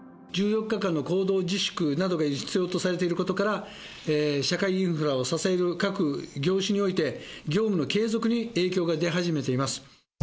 １４日間の行動自粛などが必要とされていることから、社会インフラを支える各業種において、業務の継続に影響が出始めています。